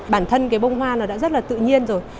bản thân cái bông hoa nó đã rất là tự nhiên rồi